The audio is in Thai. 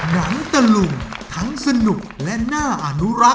นางตรงทั้งสนุกและน่าอนุลัค